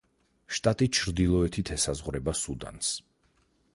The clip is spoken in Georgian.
შტატი ჩრდილოეთით ესაზღვრება სუდანს.